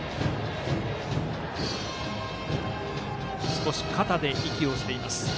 少し肩で息をしています。